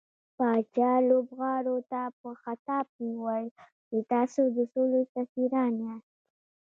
پاچا لوبغاړو ته په خطاب کې وويل چې تاسو د سولې سفيران ياست .